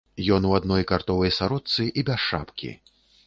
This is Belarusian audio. Ён у адной картовай сарочцы і без шапкі.